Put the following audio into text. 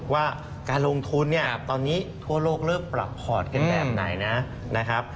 ว่าการลงทุนเนี่ยตอนนี้ทั่วโลกเริ่มปรับพอร์ตกันแบบไหนนะครับ